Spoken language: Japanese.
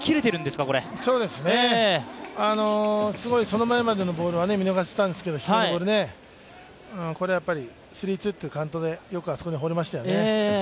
すごいその前までのボールは見逃してたんですけど低めのボールね、スリー・ツーというカウントでよくあそこで放れましたよね。